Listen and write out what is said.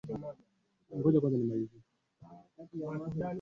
Jacob alijibu kuwa yeye ni mgeni wao akawasha taa na kuelekeza bastola kwa wenyeji